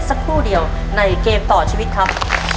สักครู่เดียวในเกมต่อชีวิตครับ